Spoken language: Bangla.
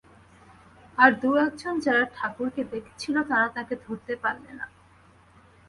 আর দু-একজন যারা ঠাকুরকে দেখেছিল, তারা তাঁকে ধরতে পারলে না।